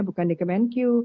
bukan di kemenkyu